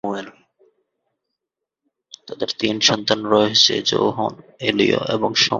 তাদের তিন সন্তান রয়েছে: যোহন, এলিয় এবং শমূয়েল।